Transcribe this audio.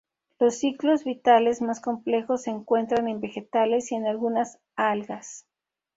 Los ciclos vitales más complejos se encuentran en vegetales y en algunas algas.